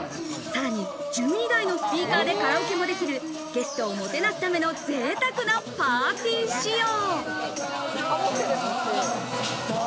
さらに１２台のスピーカーでカラオケもできる、ゲストをもてなすための贅沢なパーティー仕様。